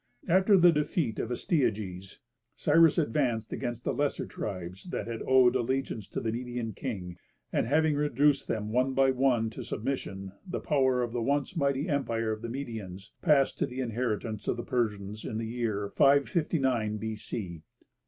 After the defeat of Astyages, Cyrus advanced against the lesser tribes that had owed allegiance to the Median king, and having reduced them one by one to submission, the power of the once mighty empire of the Medians passed to the inheritance of the Persians in the year 559 B.C.